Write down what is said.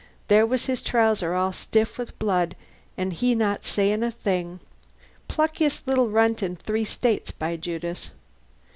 There was his trouser all stiff with blood, an' he not sayin' a thing. Pluckiest little runt in three States, by Judas!